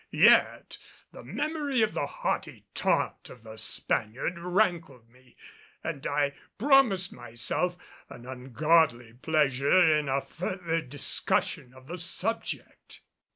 Yet the memory of the haughty taunt of the Spaniard rankled in me, and I promised myself an ungodly pleasure in a further discussion of the subject.